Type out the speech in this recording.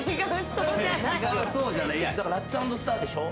だからラッツ＆スターでしょ。